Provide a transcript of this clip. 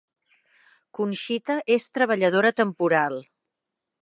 Conxita és treballadora temporal